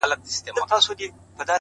• په دې منځ کي شېردل نومي داړه مار وو,